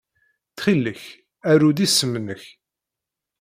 Ttxil-k, aru-d isem-nnek.